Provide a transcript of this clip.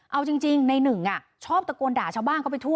เอาจริงในหนึ่งชอบตะโกนด่าชาวบ้านเข้าไปทั่ว